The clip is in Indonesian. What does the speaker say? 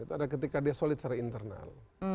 itu ada ketika dia solid secara internal